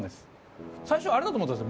最初あれだと思ったんですよ